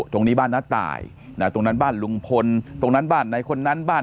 ตรงนี้บ้านน้าตายตรงนั้นบ้านลุงพลตรงนั้นบ้านไหนคนนั้นบ้าน